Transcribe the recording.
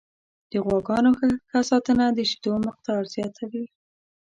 د غواګانو ښه ساتنه د شیدو مقدار زیاتوي.